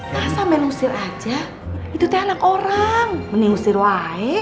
masa main usir aja itu teh anak orang mending usir wae